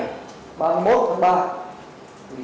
phó thủ tướng vũ đức đàm khẳng định